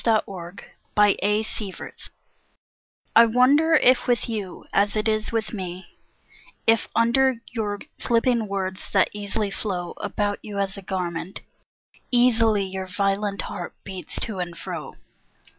AFTER MANY DAYS I WONDER if with you, as it is with me, If under your slipping words, that easily flow About you as a garment, easily, Your violent heart beats to and fro!